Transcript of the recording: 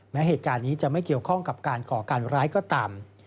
แม้เหตุการณ์นี้จะไม่เกี่ยวข้องกับการก่อการร้ายก็ตาม